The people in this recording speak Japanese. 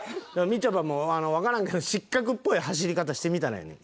みちょぱもわからんけど失格っぽい走り方してみたらええねん。